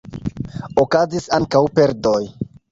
Okazis ankaŭ perdoj.